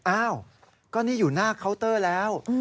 อ้าวก็นี่อยู่หน้าเคาน์เตอร์แล้ว